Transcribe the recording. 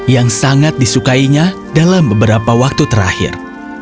yang sangat disukainya dalam beberapa waktu terakhir